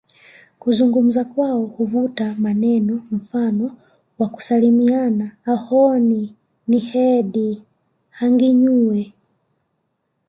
Kuzungumza kwao huvuta maneno mfano wa kusalimiana Ahooni niheedi hanginyuwe